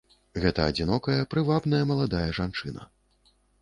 Гэта адзінокая, прывабная, маладая жанчына.